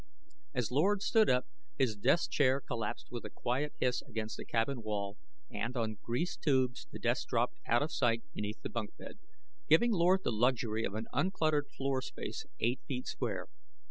As Lord stood up, his desk chair collapsed with a quiet hiss against the cabin wall, and, on greased tubes, the desk dropped out of sight beneath the bunk bed, giving Lord the luxury of an uncluttered floor space eight feet square.